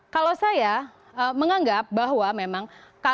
kalau saya menganggap bahwa memang